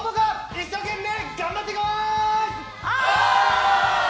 一生懸命頑張っていこうー！